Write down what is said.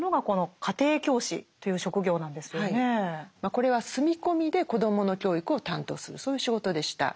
これは住み込みで子どもの教育を担当するそういう仕事でした。